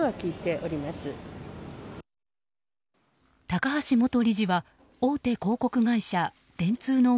高橋元理事は大手広告会社電通の